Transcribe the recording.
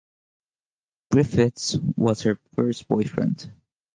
Griffiths was her first boyfriend.